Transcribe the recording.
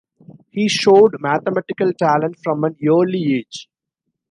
He showed mathematical talent from an early age.